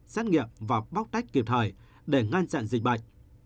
xét nghiệm và bóc tách kịp thời để ngăn chặn dịch bệnh